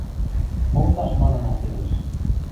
– Колташ манына тевеш.